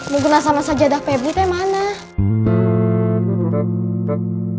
menggunakan sajadah pebutnya mana